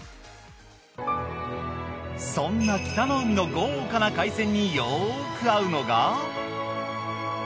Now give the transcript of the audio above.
そんな北の海の豪華な海鮮によく合うのが。